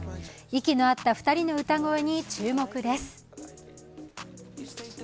息の合った２人の歌声に注目です。